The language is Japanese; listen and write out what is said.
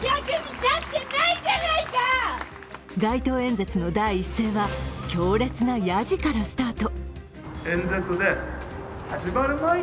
街頭演説の第一声は、強烈なやじからスタート。